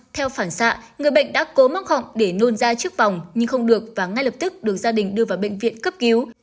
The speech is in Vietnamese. theo phản xạ người bệnh đã cố móc họng để nôn ra trước vòng nhưng không được và ngay lập tức được gia đình đưa vào bệnh viện cấp cứu